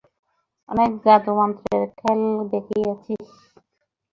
অনেক জাদুমন্ত্রের খেল দেখিয়েছিস!